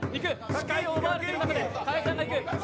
視界を奪われているだけで賀屋さんがいく。